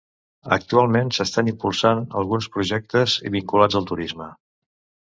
Actualment, s'estan impulsant alguns projectes vinculats al turisme.